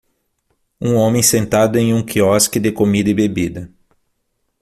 Um homem sentado em um quiosque de comida e bebida